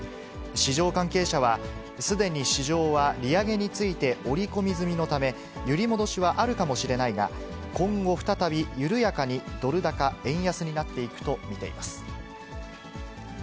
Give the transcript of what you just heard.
市場関係者は、すでに市場は利上げについて織り込み済みのため、揺り戻しはあるかもしれないが、今後、再び緩やかにドル高円安になっていくと見ています。